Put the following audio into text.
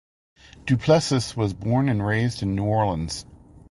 Duplessis was born and raised in New Orleans.